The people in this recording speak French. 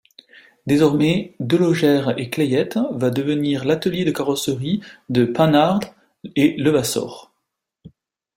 Désormais, Delaugère & Clayette va devenir l'atelier de carrosserie de Panhard & Levassor.